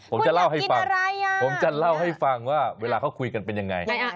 ผมจะเล่าให้ฟังเวลาเขาคุยกันเป็นอย่างไร